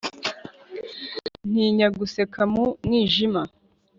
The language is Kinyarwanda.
Ntinya guseka mu mwijima